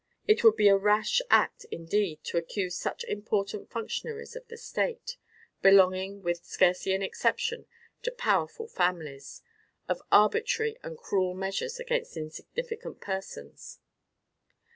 It would be a rash act indeed to accuse such important functionaries of the state, belonging, with scarcely an exception, to powerful families, of arbitrary and cruel measures against insignificant persons.